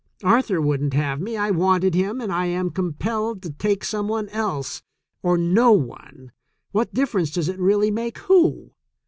Arthur wouldn't have me. I wanted him, and I am compelled to take some one else — or no one — what difference does it really make who?